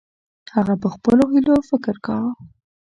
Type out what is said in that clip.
هغه په خپلو هیلو فکر کاوه.